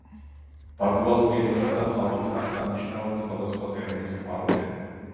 ბაგვალური ენისა და ხალხის აღსანიშნავად სხვადასხვა ტერმინს ხმარობენ.